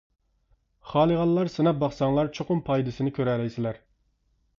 خالىغانلار سىناپ باقساڭلار چوقۇم پايدىسىنى كۆرەلەيسىلەر.